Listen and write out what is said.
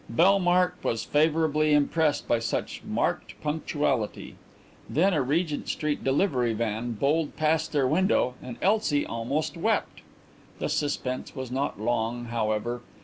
Bellmark was favourably impressed by such marked punctuality. Then a Regent Street delivery van bowled past their window and Elsie almost wept. The suspense was not long, however.